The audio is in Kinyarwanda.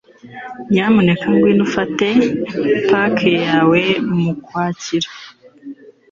Nyamuneka ngwino ufate paki yawe mukwakira.